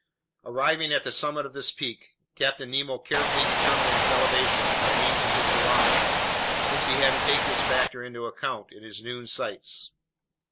Arriving at the summit of this peak, Captain Nemo carefully determined its elevation by means of his barometer, since he had to take this factor into account in his noon sights.